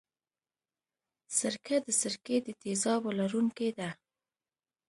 سرکه د سرکې د تیزابو لرونکې ده.